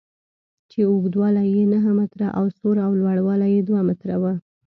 چې اوږدوالی یې نهه متره او سور او لوړوالی یې دوه متره و.